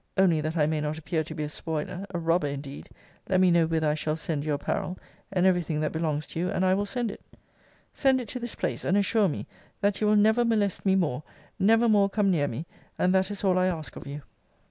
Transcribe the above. Only, that I may not appear to be a spoiler, a robber indeed, let me know whither I shall send your apparel, and every thing that belongs to you, and I will send it. Send it to this place; and assure me, that you will never molest me more; never more come near me; and that is all I ask of you.